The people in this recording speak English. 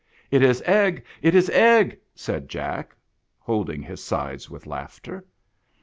" It is egg ! it is egg !" said Jack, holding his sides with laughter.